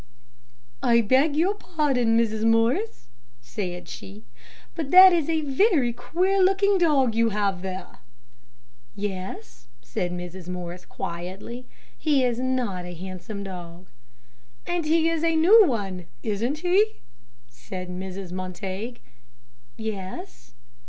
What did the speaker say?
"I beg your pardon, Mrs. Morris," she said; "but that is a very queer looking dog you have there." "Yes," said Mrs. Morris, quietly; "he is not a handsome dog." "And he is a new one, isn't he?" said Mrs. Montague. "Yes."